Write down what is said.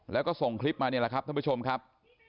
แล้วก็ส่งคลิปมานี่แหละครับท่านผู้ชมครับ